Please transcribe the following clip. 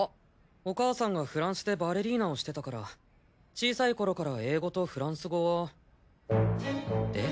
お母さんがフランスでバレリーナをしてたから小さい頃から英語とフランス語は。え？